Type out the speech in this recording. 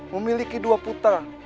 memiliki dua putra